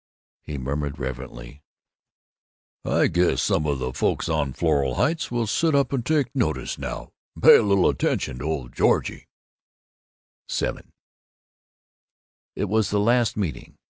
He murmured reverently, "I guess some of the folks on Floral Heights will sit up and take notice now, and pay a little attention to old Georgie!" VII It was the last meeting.